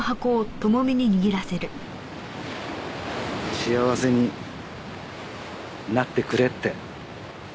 幸せになってくれって。